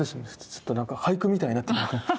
ちょっとなんか俳句みたいになって。